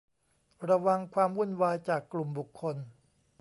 ระวังความวุ่นวายจากกลุ่มบุคคล